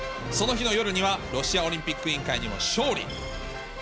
その日の夜にはロシアオリンピック委員会にも勝利。